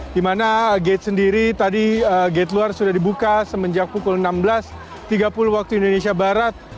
di mana gate sendiri tadi gate luar sudah dibuka semenjak pukul enam belas tiga puluh waktu indonesia barat